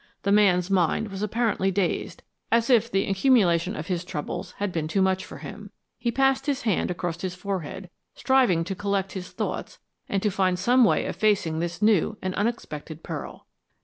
The man's mind was apparently dazed, as if the accumulation of his troubles had been too much for him. He passed his hand across his forehead, striving to collect his thoughts and to find some way of facing this new and unexpected peril.